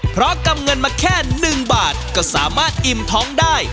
เพราะกำเงินมาแค่๑บาทก็สามารถอิ่มท้องได้